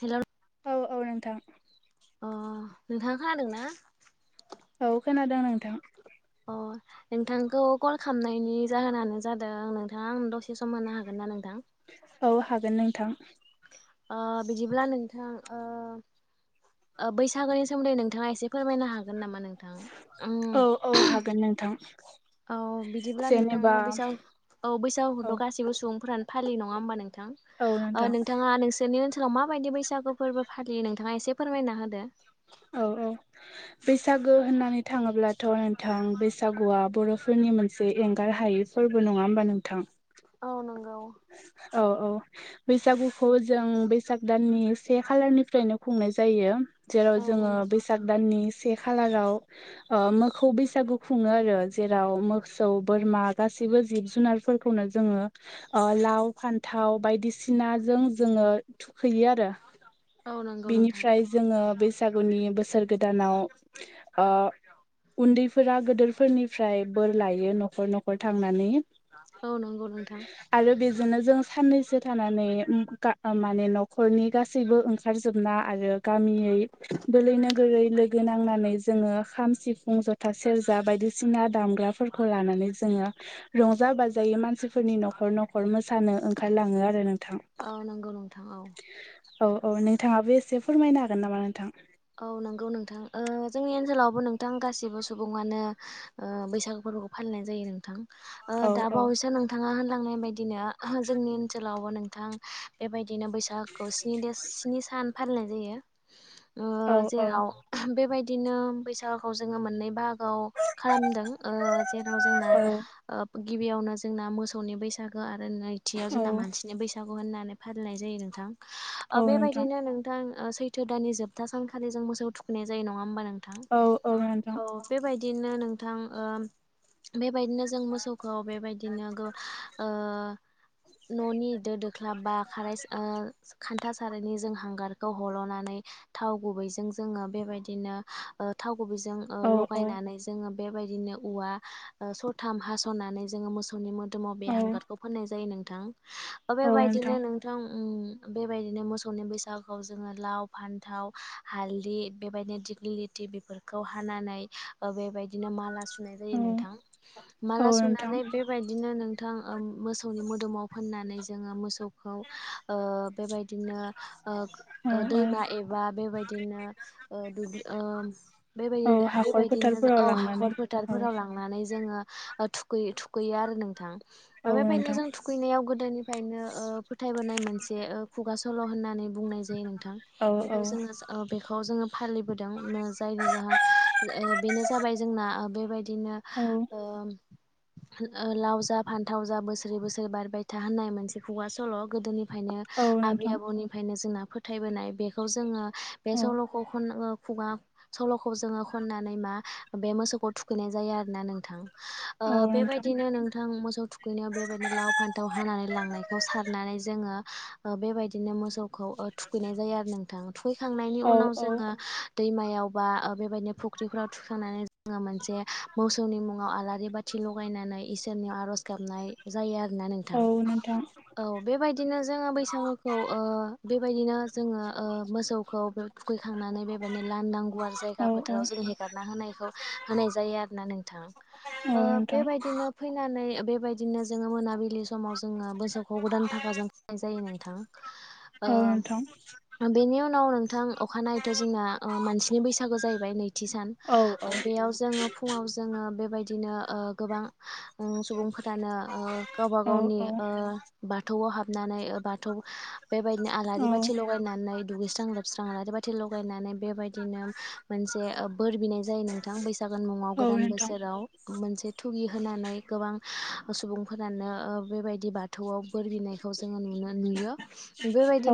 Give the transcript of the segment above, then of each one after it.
हेल' अ औ औ नोंथां नोंथाङा खोनादों ना? [inaudible] औ खोनादों नोंथां। खामनायनि जाहोनानो जादों नोंथां दसे सम मोननो हागोन ना नोंथां? औ हागोन नोंथां अ बिदिब्ला नोंथां ओ ओ बैसागोनि सोमोन्दै नोंथाङा एसे फोरमायनो हागोन गोन नामा नोंथां? औ औ उ [inaudible] हागोन नोंथां औ बिदिब्ला नोंथाङा जेनेबा बैसा औ औ बैसागथ' गासिबो सुबुंफोरानो फालि नङा होमबा नों थां। औ नोंथां नोंथाङा नोंसोरनि ओनसो लाव माबायदि बैसागु फोरबो फालियो नोंथाङा एसे फोरमायना होदो। औ औ बैसागो होननानै थाङोब्लाथ' नोंथां बैसागुआ बर'फोरनि मोनसे एंगार हायै फोरबो नङा होमबा नोंथां। औ नंग औ औ बैसागुखौ जों बैसाग दाननि से खालारनिफ्रायनो खुंनाय जायो जेराव औ जोङो नंगौ बैसाग नोंथां दाननि से खालार ओ मोखौ बैसागु खुङो आरो जेराव मोसौ बोरमा गासिबो जिब-जुनारफोरखौनो जोङो ओ लाव फान्थाव बायदिसिनाजों जोङो थुखैयो आरो औ नंगौ नोंथां बिनिफ्राय जोङो बैसागुनि बोसोर गोदानाव ओ उन्दैफोरा गोदोरफोरनिफ्राय बोर लायो न'खर न'खर थांनानै औ नंगौ नोंथां। आरो बेजोंनो जों साननैसो थानानै उ गा माने न'खरनि गासैबो ओंखारजोबना आरो गामियै बोलै नोगोरै लोगो नांनानै जोङो खाम सिफुं जथा सेर जा बायदिसिना दामग्राफोरखौ लानानै जोङो रंजा बाजायै मानसिफोरनि न'खर न'ख खर मोसानो ओंखारलाङो आरो नोंथां। औ नंगौ नोंथां औ औ औ नोंथाङाबो एसे फोरमायनो हागोन नामा नोंथां? औ नंगौ नोंथां ओ जोंनि ओनसोलावबो नोंथां गासिबो सुबुङानो ओ बैसागु फोर बोखौ फालिनाय जायो नोंथां। ओ औ दा औ बावैसो नोंथाङा होनलांनाय बायदिनो जोंनि ओनसोलावबो नोंथां बेबायदि दिनो बैसागुखौ स्नि देस स्नि सान फालिनाय जायो। ओ औ औ जेराव बेबायदिनो बैसागुखौ जोङो मोननै बाहाग आव खालामदों जेराव जोंना औ ओ गिबियावनो जोंना मोसौनि बैसागो आरो नैथियाव औ जोंना मानसिनि बैसागो होननानै फालिनाय जायो नोंथां। औ ओ नोंथां बेबायदिनो नोंथां सैथो दाननि जोब था सानखालि जों मोसौ थुखैनाय जायो नङा होमबा नोंथां औ नोंथां औ बेबायदि दिनो नोंथां ओ बेबायदिनो जों मोसौखौ बेबायदिनो ओ न'नि दो दोख्लाब बा खारा ओ खान था सारायनि जों हांगारखौ हल'नानै थाव गुबैजों जोङो बेबायदिनो ओ थाव गुबिजों ओ औ औ लगायनानै जोङो बेबायदिनो उवा सथाम हास'नानै जोङो मोसौनि मो [unintelligible] बे औ हांगारखौ फोननाय जायो नोंथां बेबायदिनो नोंथां उम बेबायदिनो मोसौनि बैसागुखौ जोङो लाव फान थाव हालदै बेबायदिनो दिग्लि लथि बेफोरखौ हानानै बेबायदि ओ बेबायदिनो माला सुनाय जायो औ नोंथां औ माला नोंथां सुनानै बेबायदिनो नोंथां मोसौनि मो दोमाव फाननानै जोङो मोसौ खौ ओ बेबायदिनो औ ओ औ दैमा एबा आं बेबादिनो औ हाखर फोथारफोराव ओ [unintelligible] लांनानै हाखर फोथार औ फोराव लांनानै जोङो [inaudible] ओंखायनो औ नोंथां फोथायबोनाय मोनसे खुगा सल' होननानै बुंनाय जायो नोंथां। औ औ बेखौ जोङो बेखौ जोङो फालिबोदोंनो जायनि जाहोन ओ बेनो जाबाय जोंना बेबाय दिनो औ ओ लाव जा फान्थाव जा बोसोरै बोसोरै बारबाय था होननाय मोनसे खुगा सल' गोदोनि बायनो औ आबै नोंथां आबौनिफ्रायनो जोंना फोथायबोनाय बेखौ जोङो बे औ सल'खौ खनो खुगा सल'खौ जोङो खननानै मा बे मोसौखौ थुखैनाय जायो आरोना नों थां औ नोंथां बेबायदिनो नोंथां मोसौ थुखैनोाव बेबायदिनो लाव फान्थाव हानानै लांनायखौ सार नानै जोङो बेबायदिनो मोसौखौ थुखैनाय जायो आरो नों थां थुखैखांनायनि औ उनाव औ जोङो दैमायावबा बेबायदिनो फुख्रिफोराव थुखांनानै जों मोनसे मो सौनि मुङाव आलारि बाथि लगायनानै इसोरनियाव आरज गाबनाय जायो आरोना। औ नोंथाङा नोंथां औ बेबायदिनो जोङो बैसागुखौ ओ बेबायदिनो जोङो ओ मोसौखौ बे थुखैखांनानै बेबायदिनो लानदां गुवार जायगा औ औ फोथाराव जों हेगारना होनायखौ होनाय जायो आरोना नोंथां औ नोंथां बेबायदिनो फैनानै बेबायदिनो जोङो मोनाबिलि समाव जोङो मोसौखौ गोदान फाखाजों खनाय जायो नोंथां। ओ औ नोंथां बेनि उनाव नोंथां अखानायैथ' जोंना मानसिनि बैसागो जाहैबाय नैथि सान औ औ ओ बेयाव जोङो फुङाव जोङो बेबायदिनो गोबां सुबुं सुबुंफोरानो गावबा औ गावनि औ ओ बाथौआव हाबनानै बाथौ बेबायदिनो आलारि बाथि लगाय नानै दुगैस्रां लोबस्रां आलारि बाथि लगायनानै बेबायदिनो मोनसे बोर बिनाय जायो। नोंथां बैसागोनि मुङाव औ गोदान नोंथां बोसोराव मोनसे थुगि होनानै गोबां सुबुंफोरानो बेबायदि बाथौआव बोर बिनायखौ जोङो नुनो नुयो।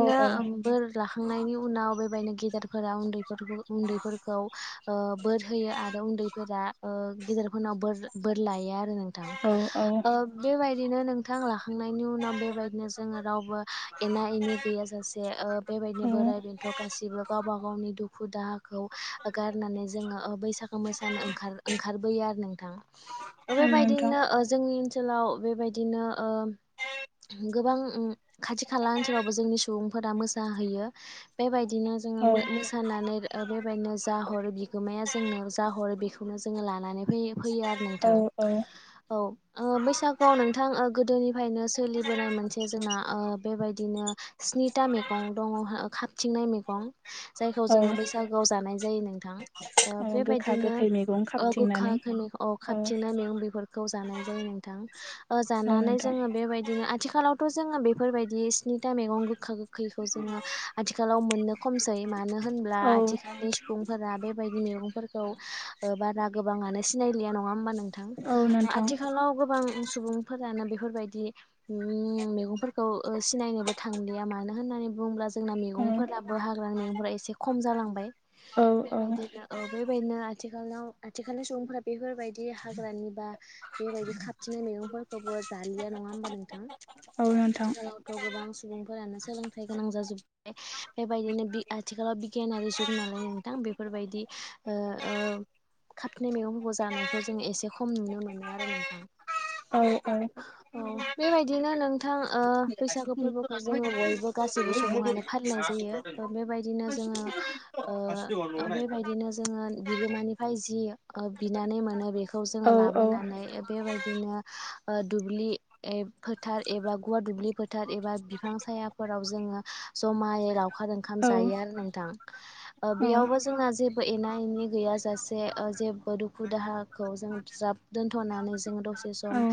औ बोर लाखांनायनि उनाव बेबायदिनो गेदेरफोरा उन्दैफोरखौ उन्दैफोरखौ ओ बोर हो यो आरो उन्दैफोरा ओ गेदेरफोरनाव बोर लायो आरो। नोंथां औ औ औ बेबायदिनो नोंथां लाखांनायनि उनाव बेबायदिनो जोङो रावबो एना एनि गैयाजासे ओ नि औ बोर बे गासिबो गावबा गावनि दुुखु दाहाखौ गारनानै जोङो बैसागो मो सानो ओंखार ओंखारबोयो आरो नोंथा नोंथां बेबायदिनो जोंनि ओनसोलाव बेबायदिनो ओ गोबां खाथि खाला ओनसोलावबो जोंनि सुबुंफोरा मो सा हैयो बेबायदिनो जोङो औ मो मोसानानै बेबायदिनो जाहर बिगोमाया जोंनो जाहर बेखौनो जोङो लानानै फैयो। फैयो आरो नोंथां औ औ औ बैसागुआव नोंथां गोदोनिफ्रायनो सोलिबोनाय मोनसे जोंना बेबायदिनो स्नि निटा मै गं दङ खाबथिंनाय मैगं दं जायखौ जोङो औ बैसागोआव जानाय जायो नोंथां। ओ औ गोखा बेबायदिनो गोखै मैगं गोखा खाबथिंनानै औ खाबथिंनाय मैगं बेफोरखौ जानाय जायो नोंथां ओ औ जानानै नोंथां जों बेबायदिनो आथिलावथ' जोङो बेफोरबायदि स्निथा मैगं गोखा गो खैखौ जोङो आथिखालाव मोननो खमसै मानो होनब्ला औ आथिखालनि सुबुंफोरा बेबायदि मैगंफोरखौ बारा गोबाङनो सिनायलिया नङा होमबा हबा नोंथां आथिखालाव गोबां सुबुंफोरानो बेफोरबायदि मैगंफोरखौ सिनायनोबो थांलिया मानो मानो होननानै बुङोब्ला जोंना औ मैगंफोराबो हाग्रानि मैगंफोरा एसे खम जालांबाय औ औ बेबायदिनो औ बेबायदिनो आथिखालाव आथिखालनि सुबुंफोरा बेफोरबायदि हाग्रानि बा बेबायदि खाबथिंननाय मैगंफोरखौबो जालिया नङा होमबा नोंथां औ नोंथां आथिखालावथ' गोबां सुबुंफोरानो सोलोंथाइ गोनां जाजोब्बाय बेबायदिनो आथिखालाव बिगियानारि जुग नालाय नोंथां बेफोरबायदि आह आह खाबनाय मैगंफोरखौ जानायखौ जोङो एसे खम नुनो मोनो आरो नोंथां औ औ औ बेबायदिनो नोंथां ओ बैसागु फोरबोखौ जोङो बयबो गासिबो सुबुङानो फालिनाय जायो बेबायदिनो जोङो ओ बेबायदिनो जोङो बिगोमानि निफ्राय जि बिनानै मोनो बेखौ जोङो औ लाबोनानै बेबायदिनो ओ दुब्लि फोथार एबा गुवार दुब्लि फोथार एबा बिफां साया फोराव जोङो जमायै लावखार ओंखाम औ जायो आरो नोंथां बेयावबो जोंना जे एना एनि गैया जाासे जेबो दुखु दाहाखौ जों ज्राब दोनथ'नानै जोंङो दसे सम औ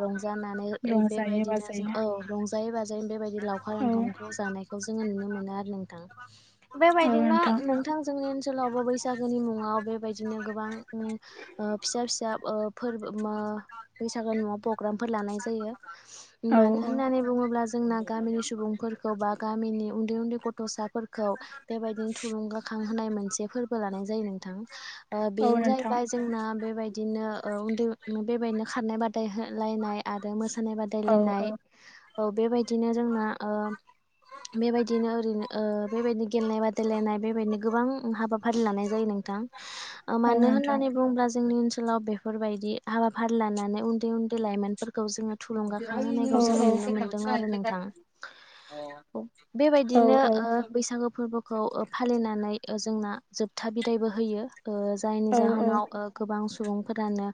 रंजानानै रंजायो बेबायदिनो जों बाजायो औ रंजायै बाजायै बेबायदि लाउ खार औ ओंखामखौ जानायखौ जोङो नुनो मोनो आरो नोंथां बेबायदिनो नोंथां जोंनि ओनसोलाव बो बैसागोनि मुङाव बेबायदिनो गोबां फिसा फिसा फोरबो बैसागो न'आव प्रग्रामफोर लानाय जायो औ मानो औ होननानै बुङोब्ला जोंना गामिनि सुबुंफोरखौ बा गामिनि उन्दै उन्दै गथ'साफोरखौ बेबायदिनो थुलुंगाखां होनाय मोनसे फोरबो लानाय जायो नोंथां ओ औ बेनो नोंथां जाहैबाय जोंना बेबायदिनो उनदै ओह बेबाय बिदिनो खारनाय बादायलायनाय आरो मोसानाय औ बादायलायनाय औ बेबायदिनो जोंना ओह बेबायदिनो ओरैनो बेबायदिनो गेलेनाय बादायलायनाय बेबायदिनो गोबां हाबाफारि लानाय जायो नों थां औ मानो नोंथां होननानै बुंङोब्ला जोंनि ओनसोलाव बेफोरबायदि हाबाफारि लानानै उन्दै उन्दै लाइमोनफोरखौ जोङो औ थुलुंगाखांहोनायखौ जोङो नुनो मोन्दों आरो नोंथां औ औ बेबायदिनो औ बैसागो फोरबोखौ फालिनानै जोंना जोबथा बिदायबो होयो जायनि औ जाहोनाव गोबां सुबुंफोरानो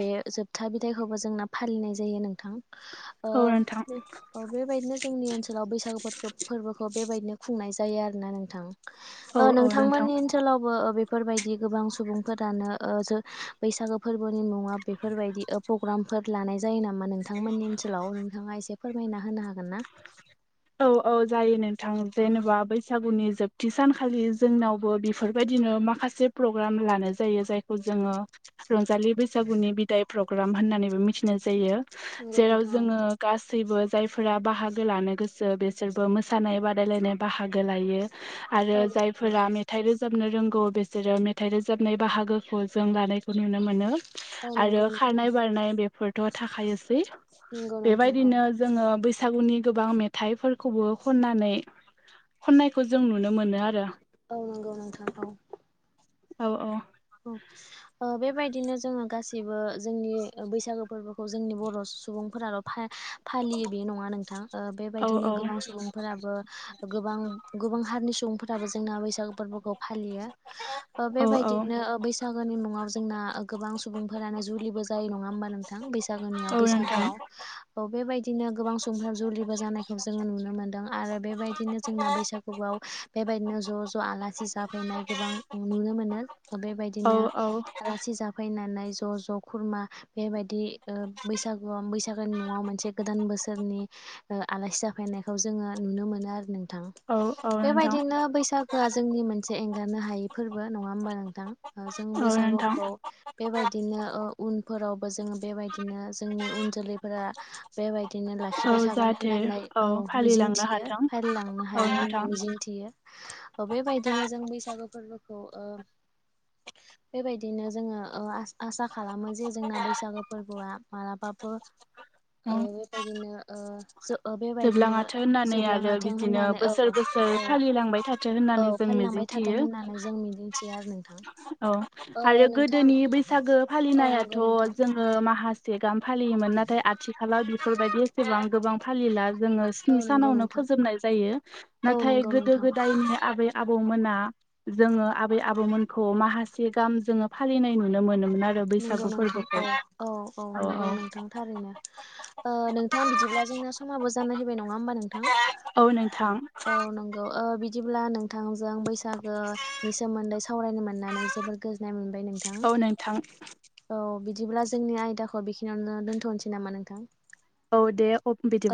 बे जोबथा बिदायखौबो जोंना फालिनाय जायो नोंथां औ नोंथां ओह बेबायदिनो जोंनि ओनसोलाव बैसागु फोर फोरबोखौ बेबायदिनो खुंनाय जायो आरोना नोंथां औ औ नोंथांमोन नोंथां जोंनि ओनसोलावबो बेफोरबायदि गोबां सुबुंफोरानो ओ बैसागो फोरबोनि मुङा बे बेफोरबायदि प्रग्रामफोर लानाय जायो नामा नोंथांमोननि ओनसोलाव नोंथाङा एसे फोरमायना होनो हागोन ना औ औ जायो नोंथां जेनेबा बैसागुनि जोबथि सानखालि जोंनावबो बेफोरबायदिनो माखासे माखासे प्रग्राम लानाय जायो जायखौ जोङो रंजालि बैसागुनि बिदाय प्रग्राम होननानैबो मिथिनाय जायो नंगौ जेराव नोंथां औ। जोङो गासै गासैबो जायफोरा बाहागो लानो गोसो बेसोरबो मोसानाय बादायलायनाय बाहागो लायो आरो औ नंगौ जायफोरा नोंथां मेथाइ रोजाब बनो रोंगौ बिसोरो मेथाइ रोजाबनाय बाहागोखौ जों लानायखौ नुनो मोनो औ आरो नंगौ नोंथां खारनाय बारनाय बेफोरथ' थाखायोसै नंगौ नोंथां औ बेबायदिनो जोङो बैसागुनि गोबां मेथाइफोर खौबो खननानै खननायखौबौ जों नुनो मोनो आरो औ नंगौ नोंथां औ औ औ औ बेबायदि बिदिनो जोङो गासैबो जोंनि बैसागो फोरबोखौ जोंनि बर' सुबुंफोराल' फा फालियो बे नङा नोंथां औ बेबायदिनो गोबां सुबुंफोराबो गोबां गोबां हारिनि सुबुं सुबुंफोराबो जोंना बैसागु फोरबोखौ फालियो औ बेबायदि नो औ बैसागोनि मुङाव जोंना गोबां सुबुंफोरानो जुलिबो जायो नङा होमबा नोंथां बैसाग औ नोंथां बैसागोआव औ बेबायदिनो गोबां सुबुंफोर जुलिबो जानायखौ जोङो नुनो मोनदों आरो बेबायदिनो जोंना बैसागुआव बेबायदिनो ज' ज' आलासि जाफैनाय गोबां नुनो मोनो औ बेबायदिनो औ आलासि जाब फैनानै ज' ज' खुरमा बेबायदि बैसागुआव बैसागोनि मुङाव मोनसे गोदान बोसोर बोसोरनि आलासि जाफैनायखौ जोङो नुनो मोनो आरो नोंथां औ औ नोंथां बेबायदिनो बैसागोआ जोंनि मोनसे एंगारनो हायै फोरबो नङा होमबा नोंथां जों औ नोंथां बैसागुखौ बेबायदि बिदिनो उनफोरावबो जोङो बेबायदिनो जोंनि उन जोलैफोरा बेबायदि बिदिनो औ लाखिबाय थागोन जाहाथे होननानै औ मिजिं फालिलांनो थियो हाथों फालि लांनो औ हायो नोंथां होननानै मिजिं थियो बेबायदिनो जों बैसागु फोरबोखौ बेबायदिनो जोङो आसा खालामो जे जोंना बैसागो फोरबोआ मालाबाबो औ बेबायदिनो औ बेबायदिनो जोबलाङाथो होननानै आरो जोबलाङाथों बिदिनो होननानै बोसोर औ बोसोर औ फालिलांबाय थाथों औ होननानै जों फानलांबाय थाथों मिजिंथियो होननानै जों मिदिंथियो आरो नोंथां औ ओ आरो नोंथां गोदोनि बैसागो औ फालिनायाथ नंगौ नोंथां। जोङो माखासे गामि फालियोमोन नाथाय आथिखालाव बेफोरबायदि जसेबां गोबां फालिला जोङो औ स्नि नंगौ सानावनो नोंथां फोजोबनाय जायो औ नाथाय नंगौ गोदो नोंथां गोदायनि आबै आबौमोना जोङो आबै आबौमोनखौ माखासे गाहाम जोङो फालिनाय नुनो मोनोमोन आरो नंगौ बैसागु नोंथां औ फोरबोखौ औ औ नंगौ नोंथां थारैनो नोंथां बिदिब्ला जोंहा समाबो जाना‌ फैबाय नङा होनबा नोंथां औ नोंथां नोंथांजों बैसागोनि सोमोन्दै सावरायनो मोननानै जोबोर गोजोननाय मोनबाय नोंथां औ नोंथां औ बिदिब्ला जोंनि आयदाखौ बेखिनियावनो दोन्थनोसै नामा नोंथां औ दे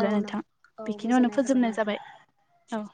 औ नों नोंथां औ बेखिनियावनो गोजोननाय थाबाय फोजोबनाय नोंथां। जाबाय औ